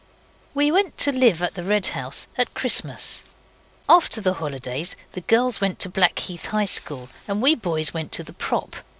We went to live at the Red House at Christmas. After the holidays the girls went to the Blackheath High School, and we boys went to the Prop.